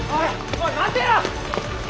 おい待てよ！